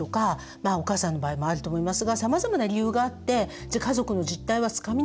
まあお母さんの場合もあると思いますがさまざまな理由があって家族の実態はつかみにくいものです。